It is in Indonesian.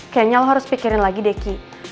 kayaknya lo harus pikirin lagi deh ki